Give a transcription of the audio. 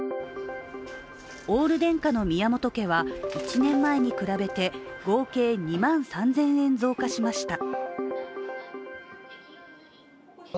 オール電化の宮本家は１年前に比べて合計２万３０００円増加しました。